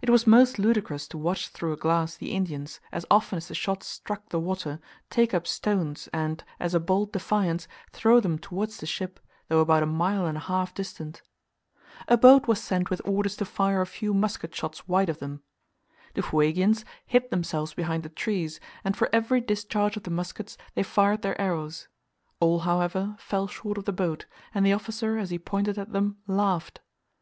It was most ludicrous to watch through a glass the Indians, as often as the shot struck the water, take up stones, and, as a bold defiance, throw them towards the ship, though about a mile and a half distant! A boat was sent with orders to fire a few musket shots wide of them. The Fuegians hid themselves behind the trees, and for every discharge of the muskets they fired their arrows; all, however, fell short of the boat, and the officer as he pointed at them laughed.